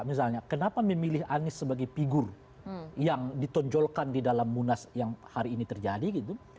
misalnya kenapa memilih anies sebagai figur yang ditonjolkan di dalam munas yang hari ini terjadi gitu